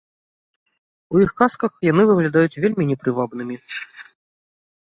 У іх казках яны выглядаюць вельмі непрывабнымі.